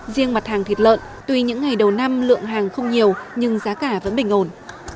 riêng mặt hàng thịt lợn tuy những ngày đầu năm lượng hàng không nhiều nhưng giá cả vẫn bình ổn